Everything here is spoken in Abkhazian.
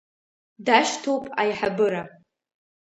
Дашьҭоуп аиҳабыра.